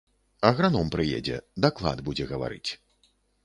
Аграном прыедзе, даклад будзе гаварыць.